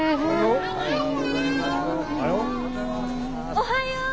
おはよう！